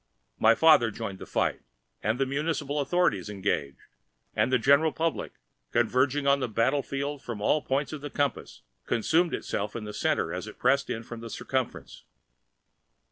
My father joined the fight, the municipal authorities engaged, and the general public, converging on the battle field from all points of the compass, consumed itself in the center as it pressed in from the circumference.